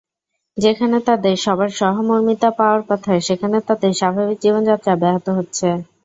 যেখানে তাদের সবার সহমর্মিতা পাওয়ার কথা, সেখানে তাদের স্বাভাবিক জীবনযাত্রা ব্যাহত হচ্ছে।